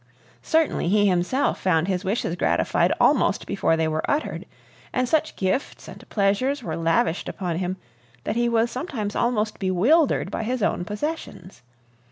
Certainly, he himself found his wishes gratified almost before they were uttered; and such gifts and pleasures were lavished upon him, that he was sometimes almost bewildered by his own possessions.